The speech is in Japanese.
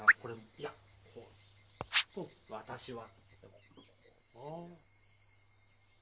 いや私は。